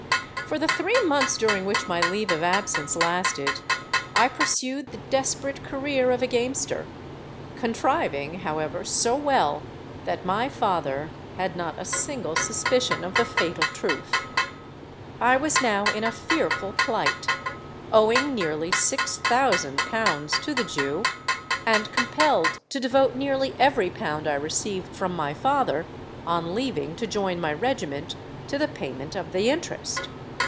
"For the three months during which my leave of absence lasted, I pursued the desperate career of a gamester, contriving, however, so well, that my father had not a single suspicion of the fatal truth. I was now in a fearful plight,—owing nearly six thousand pounds to the Jew, and compelled to devote nearly every pound I received from my father on leaving to join my regiment, to the payment of the interest.